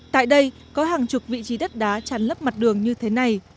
tại đây có hàng chục vị trí đất đá tràn lấp mặt đường như thế này